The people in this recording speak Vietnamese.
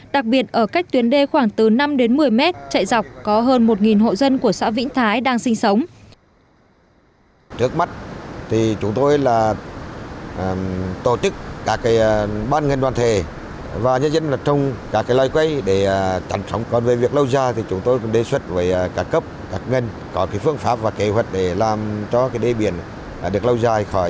đặc biệt ở cách tuyến đê khoảng từ năm đến một mươi m chạy dọc có hơn một hộ dân của xã vĩnh thái đang sinh sống